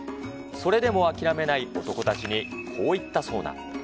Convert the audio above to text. それでも諦めない男たちに、こういったそうだ。